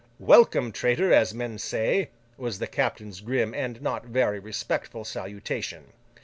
'Welcome, traitor, as men say,' was the captain's grim and not very respectful salutation.